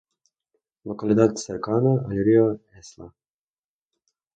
Localidad cercana al río Esla.